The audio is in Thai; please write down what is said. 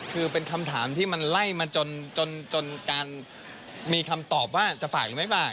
คือเป็นคำถามที่มันไล่มาจนการมีคำตอบว่าจะฝากหรือไม่ฝาก